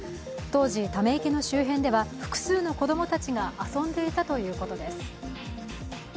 当時、ため池の周辺には複数の子供たちが遊んでいたということです。